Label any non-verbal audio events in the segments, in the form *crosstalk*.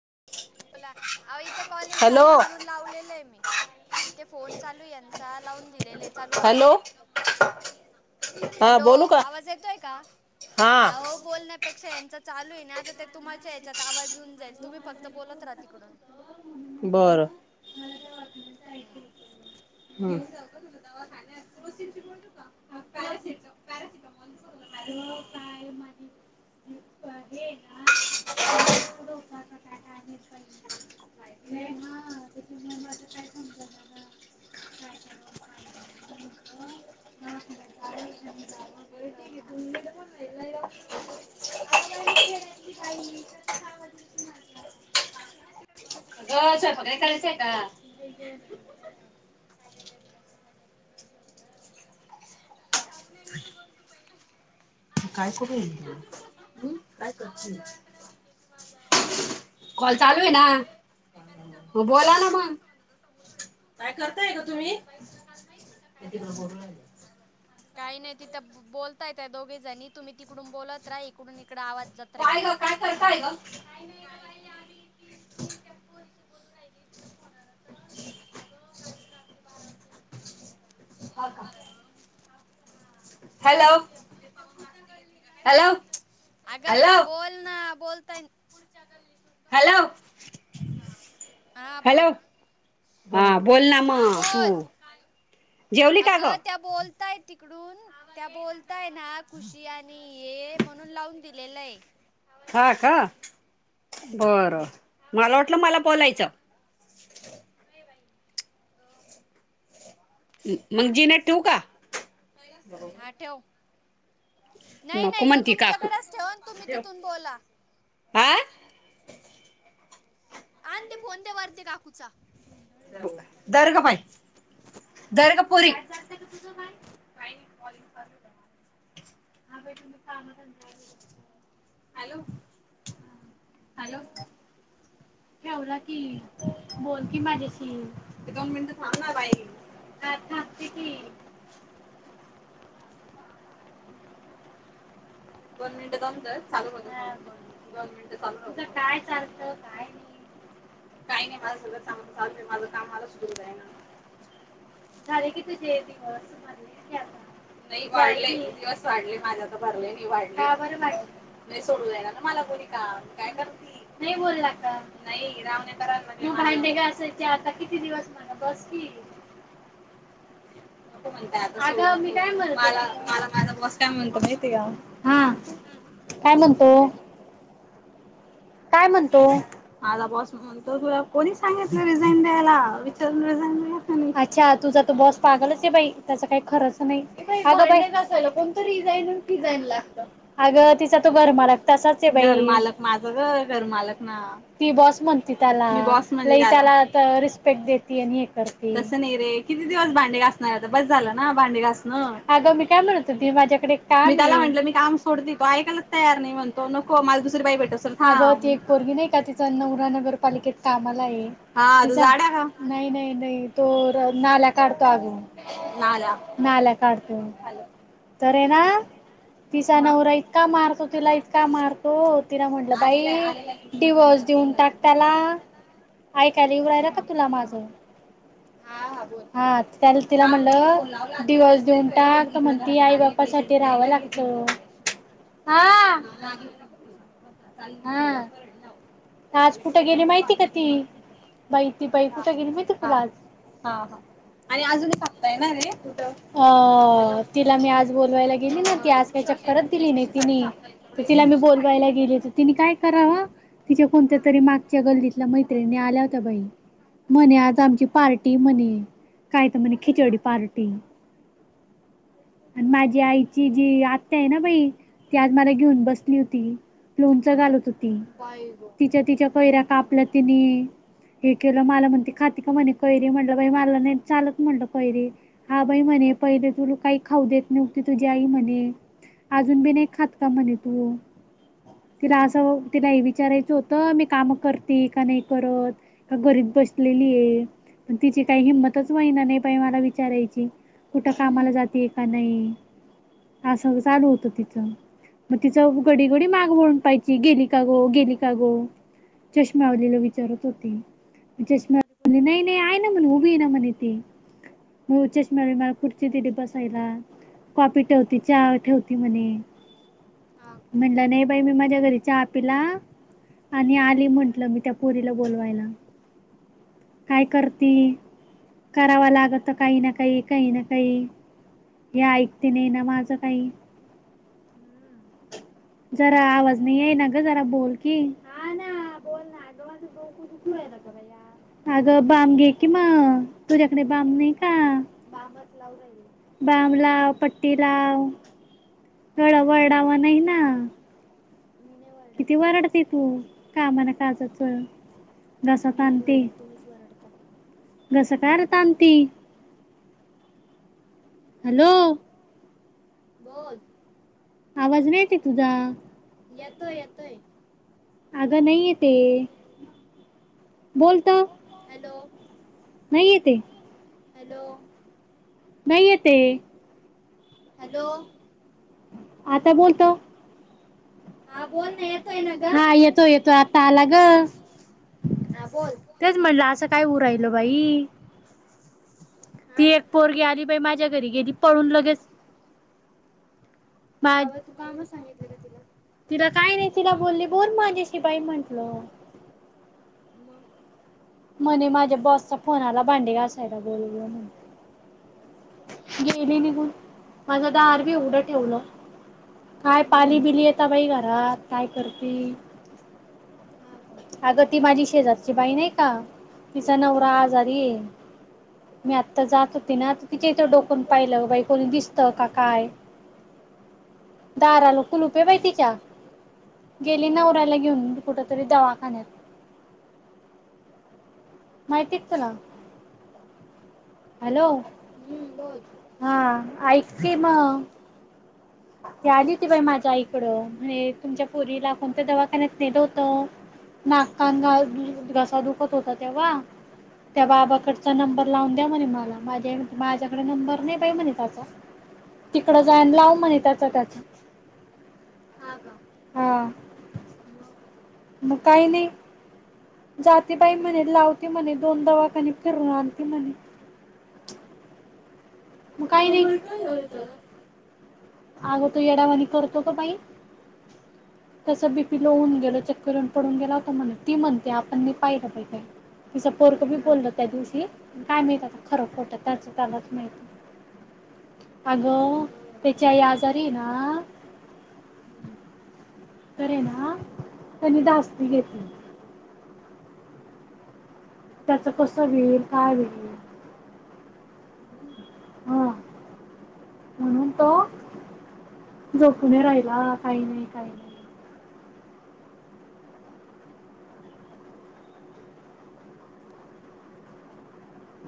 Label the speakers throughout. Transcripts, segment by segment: Speaker 1: *unintelligible* आओ इथे कॉलिंग चालू आहे म्हणून लावलेलं आहे मी. नाही. इथे फोन चालू आहे यांचा लावून दिलेलं चालू राहू द्या. *inaudible* हॅलो आवाज येतोय का? आओ बोलण्यापेक्षा क्षा यांचं चालू आहे ना तर त्या तुम्हाच्या याच्यात आवाज येऊन जाईल. तुम्ही फक्त बोलत रहा तिकडून.
Speaker 2: बर. मला काही वाटलच नाही. हं. घेऊन जाऊ का तुला दवाखान्यात. क्रोसिन ची गोळी देऊ का? पॅरासिट पॅरासिटॅमॉल. ग पाय माझे आहे ना ते मागेपुढे होत्या का आता काय माहित. हे ना त्याच्यामुळे माझे काही समजना आता. *unintelligible* अगं स्वयंपाक काही करायचा का?
Speaker 1: का गरीबाची मजा करतात एवढं. ढापणे नीट बोल तू पहिले.
Speaker 2: काय करू, काय करशील? कॉल चालू आहे ना, मग बोला ना मग. काय करताय का तुम्ही? एकत्र बोलून राहिले.
Speaker 1: काही नाही तिथं बोलतायेत त्या दोघेजणी, तुम्ही तिकडून बोलत राहा इकडून
Speaker 2: काय ग काय करताय ग? काय नाही ग बाई आम्ही हं का. Hello hello hello.
Speaker 1: बोलताय न पुढच्या गल्लीत
Speaker 2: हॅलो. हॅलो हा बोल ना मग तू, जेवली का ग?
Speaker 1: तिकडून *inaudible* त्या बोल ताय ना खुशी आणि हे म्हणून लावून दिलेलं आहे.
Speaker 2: हा का. बरं, मला वाटलं मला बोलायचं. म्हणजे मी ठेवू का? *inaudible* नको.
Speaker 1: नाही नाही तो तुमच्याकडेच ठेवा आणि तुम्ही तिथून बोला. बाई आण ते फोन तेवर ते काकूचा.
Speaker 2: धर ग बाई, धर ग पोरी. काय चालतंय ग तुझं बाई? नाही कॉलेज चालूच आहे माझं. हा बाई तुम्ही कामधंदा असल्यालं. हॅलो हॅलो ठेवला की बोल क माझ्याशी. ये दोन मिनटं थांबणा बाई. हा थांबते की. दोन मिनिटं जात चालू दोन मिनिटं चालू काय चात काय नाही काही नाही माझ सगळंांग चालू माझं काम मला सुरू आहे ना झाले की तुझे दिवस भरले आता नाही वाढले दिवस वाढले माझ्या तर भरले वाढ का बरं म नाही सोडू जायला ना मला बोली का काय करते नाही बोलला का नाही रामनेकर का असायचे आता किती दिवस मला बस कि *unintelligible* नक म्हणताय आ मी काय म्हणत मला माझा बॉस काय म्हणतो माहिती का हा काय म्हणतो काय म्हणतो माझा बॉस म्हणतो तुला कोणी सांग रिझाईन द्यायला विचारून र अच्छा तुझा त बॉस पागलच आहे बाई त्याच काही खरंच तिचा घर मालक तसाच आहे बाई कर मालक ना ती बॉस म्हणती त्याला बॉस म्हण त्याला रिस्पेक्ट देत आणि हे करते तस नाही रे किती दिवस भांडे घासणार आता बस झालं ना भांडे घासण अग मी काय म्हणत ती माझ्याकडे का त्याला म्हटलं मी काम सोडत तो ऐकायलाच तयार नाही म्हणतो नको मला दुसरी बाई भेट ती एक पोरगी नाही का तिचा नवरा नगरपालिकेत कामाला आहे नाही नाही नाही तो नाल्या काढतो अगो नाल्या काढतो हा तो जाड्या कायतर आहे ना तिचा नवरा इतका मारतो तिला इतका मारतो तिला म्हण बाई डिवोर्स देऊन टाक त्याला ऐकायलावडायला का तुला माझ हा त्याला तिला म्हणलं डिव्हर्स देऊन टाक म्हण ती आई बापासाठीठी राहावं लागत हा हा आज कुठे गेली माहिती का ती बाई ती बाई कुठ गेली माहिती तुला आज आणिजूनताय ना र तिला मी आज बोलवायला गेली ना ती आज काच्या परत दिली नाही ति तिला मी बोलवायला गेली तिने काय करावा तिच्या कोणत्या तरी मागच्या गल्दीतल्या मैत्रिणी आल्या होत्या बाई म्हणे आज आमची पार्टी म्हणे काय तर म्हणे खिचवडी पार्टी आणि माझी आईची जी आत्या आहे ना बाई, ती आज मला घेऊन बसली होती. लोणच घालत होती. तिच्या तिच्या कैऱ्या कापल्या तिने हे केलं मला म्हणते खात का म्हणे, कैरी म्हटलं मला नाही चालत म्हटलं कैरीे हा बाई म्हणे पहिर तु काही *unintelligible* तुझी आई म्हणे, अजून बी नाही खात का म्हणे तू. तिला असं तिला हे विचारायचं होतं मी काम करते का नाही करत घरीच बसलेली आहे पण तिची काही हिंमतच वहि ना नाही पा मला विचारायची कुठ कामाला जाते. *unintelligible* नाही अस चालू होत तिथं मग तिच घडीघडी मा *unintelligible* पाहियची गेली का गो गेली का गो चष्मावलीला विचारत होती. चष्मा *unintelligible* नाही नाही आहे ना म्हण उभी ना म्हणे *unintelligible* चष्मावली मला खुर्ची तिथे बसाय कॉपी ठेवते चहा ठेवते म्हणे, म्हणलं नाही बाई मी माझ्या घरी चहा पिला आणि आली म्हंटलं मी त्या पुरीला बोलवायला. काय करती, करावा लागत काही ना काही, काही ना काही हे ऐकते नाही ना माझं काही.
Speaker 1: हा ना बोल ना माझं डोकं दुखू राहिला बया.
Speaker 2: अगं बम घे कि मग, तुझ्याकडे बम नाही का?
Speaker 1: हम्.
Speaker 2: बम लाव पट्टी लाव, हळ वळडावा नाही ना? किती वारडते तू, कामाना काजच घसात तांणते.
Speaker 1: तुम्हीच वारडता.
Speaker 2: हॅलो. आवाज नाही येते तुझा, अग नाही येते. बोलत, नाही येते? नाही येते. हॅलो, आता बोलत. हा येतोय येतोय आता आला ग तेच म्हटलं असं काय होऊ राहिलं बाई. ती एक पोरगी आली बाई माझ्या घरी गेली पळून लगेच.
Speaker 1: *unintelligible* तू काम सांगितलं का तिला म.
Speaker 2: म्हणे माझ्या बॉसचा फोन आला भांडे घासायला बोलवलं. *unintelligible* गेली निघून, माझं दार बी उघड ठेवलं, काय पाली बिली येता बाई घरात काय करती. अगं ती माझी शेजारची बाई नाही का तिचा नवरा आजारी ए, मी आत्ता जात होती ना तिच्या इथ डोकावून पाहिलं बाई कोणी दिसत का काय दारा ला कुलुपे बई तिच्या, गेली नवऱ्याला घेऊन कुठ तरी दवाखान्यात माहिती क तुला? हॅलो, हुं बोल, हा ऐक की म ती आली हुती बाई माझ्या आईकड, म्हने तुमच्या पोरीला कोणत्या दवाखान्यात नेलं होत, नाक कान घास *unintelligible* घसा दुखत होता तेचा, त्या बाबाकडचा नंबर लावून द्या म्हणे माला, माझी आई म्हणते माझ्याकडे नंबर नाही बाई म्हणे त्याचा, तिकड जाऊन लाव म्हणे त्याच त्याच
Speaker 1: हा का? *unintelligible* मग
Speaker 2: मग काय नई. जाती बाई म्हणे, लावती म्हणे, दोन दवाखाने फिरून आणती म्हणे. मग काय नई *unintelligible* आगं तो येडावाणी करतो ग बाई, त्याचं बी पी लो होऊन गेल चक्कर येऊन पडून गेला होता म्हणे, ती म्हणते आपण नाही पाहिलं बाइ काय, तिच पोरग बी बोललं त्या दिवशी काय माहित आता खर खोटं त्याच त्यालाच माहिती आग ते आई आजारी ए ना, तर ये ना त्यानी धास्ती घेतली.
Speaker 1: त्याच कस व्हील, काय व्हील हम् म्हणून तो झोपू नाही राहिला काही नई काय नई.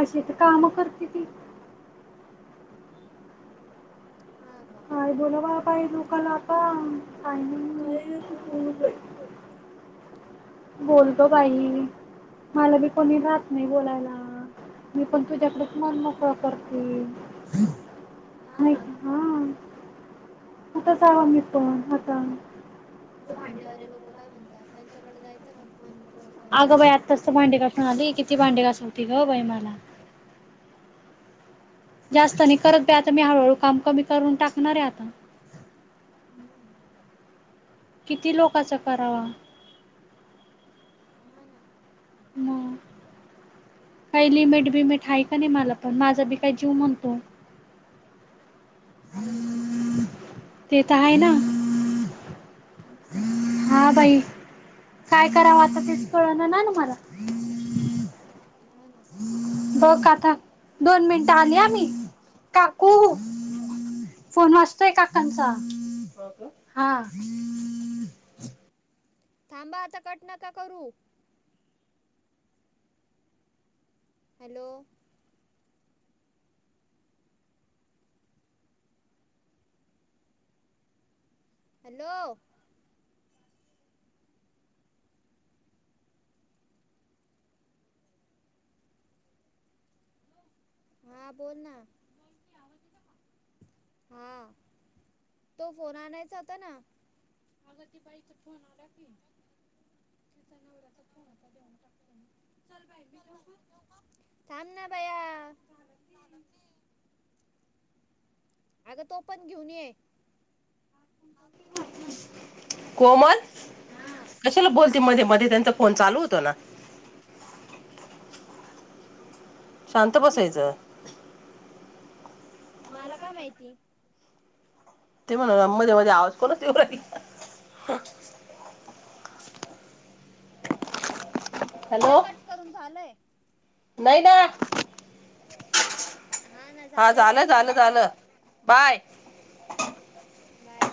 Speaker 2: अशी त काम करते ती काय बोला *unintelligible* पाहि लोकाला आता, टायमिंग *unintelligible* बोलतो बाई मला बी कोणी रात नाही बोलायला, मी पण तुझ्याकडच मन मोकळ करती.
Speaker 1: हा ना, *inaudible* तुझ भांडेवाले लोक काय म्हणतात? त्यांच्याकडे जायचं ना मन मो
Speaker 2: अगं बाई आत्ताच त भांडी घासून आली, किती भांडे घासवती ग बाई मला जास्त नई करत बई आता, मी हळूहळू काम कमी करून टाकणारे आता हम्म किती लोकाचा करावा? *unintelligible* काही लिमिट बिमेट हाय का नई माला पण, माझा बी काय जीव म्हणतो. ते त हाय ना, हा बाई काय करावं आता तेच कळना ना ना मला बघ का *unintelligible* दोन मिनटं आली हा मी, काकू फोन वाज तोय काकांचा, माझा हा
Speaker 1: थांबा आता कट नका करू. हॅलो. हॅलो. हा बोल ना हा तो फोन आणायचा होता ना थांब ना बाया अगं तो पण घेऊन ये.
Speaker 2: कोमल कशाला बोलते मध्ये मध्ये त्यांचा फोन चालू होतो ना. शांत बसायचं.
Speaker 1: मलका माहती
Speaker 2: ते म्हणा मध्ये मध्ये आवाज कोणच तेव
Speaker 1: उद्या कट करून झालंय.
Speaker 2: नाही ना. हा झालं झालं झालं बाय.
Speaker 1: बाय.